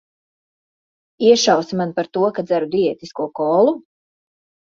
Iešausi man par to, ka dzeru diētisko kolu?